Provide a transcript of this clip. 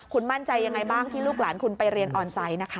คุณมั่นใจยังไงบ้างที่ลูกหลานคุณไปเรียนออนไซต์นะคะ